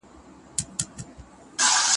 شاهمامې سره راټولې په حمام کې